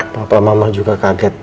papa mama juga kaget